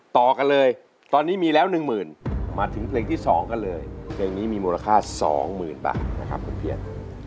ต่อกันเลยตอนนี้มีแล้ว๑หมื่นมาถึงเพลงที่๒กันเลยเพลงนี้มีมูลค่า๒๐๐๐บาทนะครับคุณเพียน